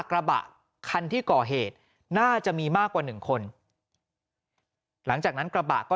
กระบะคันที่ก่อเหตุน่าจะมีมากกว่าหนึ่งคนหลังจากนั้นกระบะก็